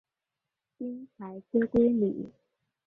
因裁缺归里。